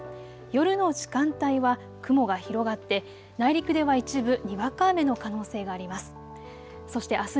夜の時間帯は雲が広がって内陸では一部にわか雨の可能性があります。